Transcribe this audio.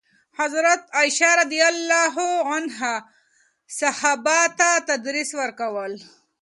حضرت عایشه رضي الله عنها صحابه ته درس ورکول.